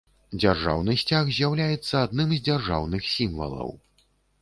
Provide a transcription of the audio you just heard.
Дзяржаўны сцяг з'яўляецца адным з дзяржаўных сімвалаў.